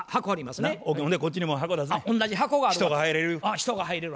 人が入れる。